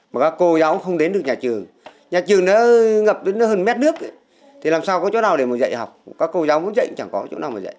mà các cô giáo không đến được nhà trường nhà trường nó ngập đến hơn mét nước thì làm sao có chỗ nào để mà dạy học các cô giáo muốn dạy chẳng có chỗ nào mà dạy